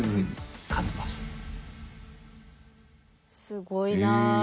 すごいな。